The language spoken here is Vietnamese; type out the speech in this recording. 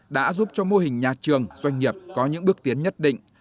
đã giúp cho mô hình nhà trường doanh nghiệp có những bước tiến nhất định